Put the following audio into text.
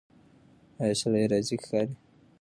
ایا سړی راضي ښکاري؟